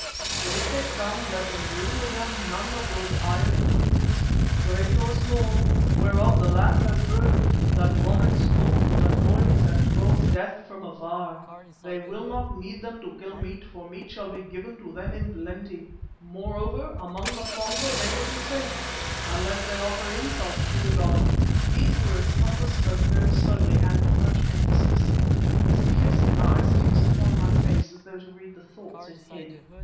But if they come, let them bring with them none of those iron tubes, great or small, whereof the land has heard, that vomit smoke with a noise and cause death from afar. They will not need them to kill meat, for meat shall be given to them in plenty; moreover, among the Pongo they will be safe, unless they offer insult to the god.'" These words Komba spoke very slowly and with much emphasis, his piercing eyes fixed upon my face as though to read the thoughts it hid.